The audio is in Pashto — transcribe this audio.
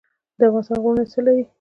د افغانستان غرونه څه لري؟